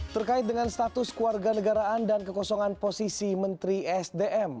terkait dengan status keluarga negaraan dan kekosongan posisi menteri sdm